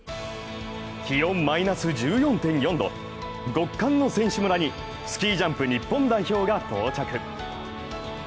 気温マイナス１４．４度、極寒の選手村にスキージャンプ日本代表が到着。